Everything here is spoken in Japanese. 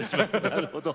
なるほど。